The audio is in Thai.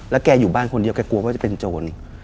แกอยู่บ้านคนเดียวแกกลัวว่าจะเป็นโจร